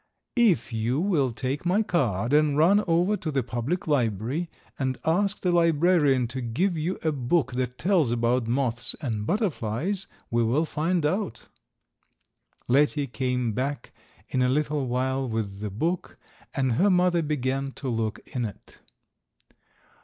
"If you will take my card and run over to the public library and ask the librarian to give you a book that tells about moths and butterflies, we will find out." Letty came back in a little while with the book and her mother began to look in it.